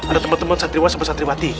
ada teman teman satriwa sama satriwati